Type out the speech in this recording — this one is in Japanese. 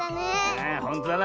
ああほんとだな。